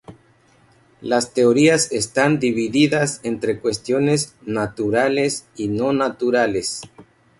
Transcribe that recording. Las teorías están divididas entre cuestiones naturales y no naturales.